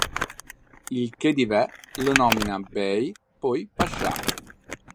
Il chedivè lo nomina bey poi pascià.